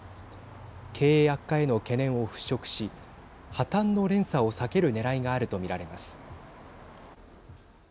経営悪化への懸念を払拭し破綻の連鎖を避けるねらいがあると見られます。